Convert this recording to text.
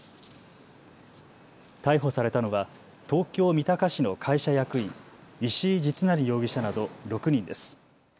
逮捕されたのは東京三鷹市の会社役員、石井実成容疑者など６人です。